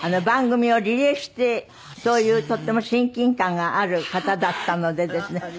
番組をリレーしてそういうとっても親近感がある方だったのでですね